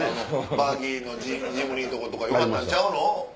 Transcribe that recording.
バギーのジムニーのとことかよかったんちゃうの？